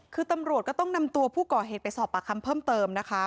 คือตำรวจก็ต้องนำตัวผู้ก่อเหตุไปสอบปากคำเพิ่มเติมนะคะ